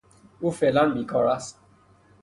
او فعلا بیکار است.